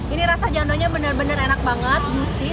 ini rasa jandungnya benar benar enak banget musih